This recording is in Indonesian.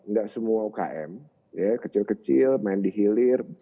enggak semua umkm kecil kecil main di hilir